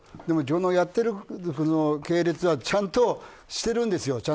でも自分のやっている系列はちゃんとしているんですよ。